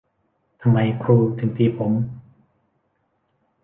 ทำไมครูถึงตีผม